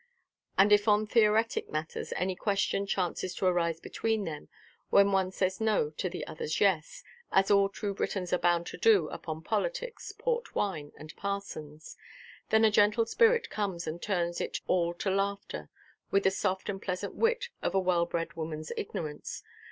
And if on theoretic matters any question chances to arise between them, when one says "no" to the otherʼs "yes"—as all true Britons are bound to do upon politics, port wine, and parsons,—then a gentle spirit comes and turns it all to laughter, with the soft and pleasant wit of a well–bred womanʼs ignorance.